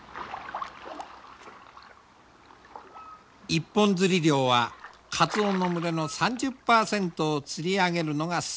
一本づり漁はカツオの群れの３０％を釣り上げるのが精いっぱいである。